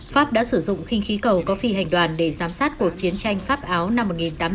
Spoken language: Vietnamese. pháp đã sử dụng khinh khí cầu có phi hành đoàn để giám sát cuộc chiến tranh pháp áo năm một nghìn tám trăm tám mươi